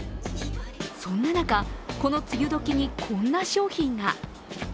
そんな中、この梅雨どきにこんな商品が。